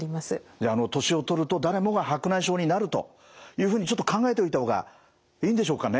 じゃああの年を取ると誰もが白内障になるというふうにちょっと考えておいた方がいいんでしょうかね？